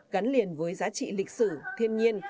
gắn liền với giá trị lịch sử thiên nhiên